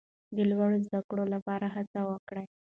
د لوړو زده کړو لپاره هڅه وکړئ.